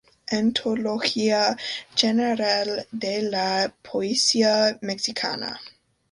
Antología General de la Poesía Mexicana.